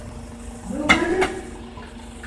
— Юҡ әле.